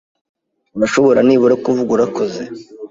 Urashobora nibura kuvuga urakoze.